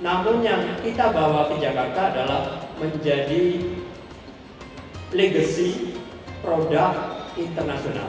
namun yang kita bawa ke jakarta adalah menjadi legacy produk internasional